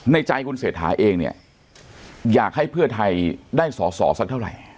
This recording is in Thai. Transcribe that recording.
ในใจคุณเศรษฐาเองเนี่ยอยากให้เพื่อไทยได้สอสอสักเท่าไหร่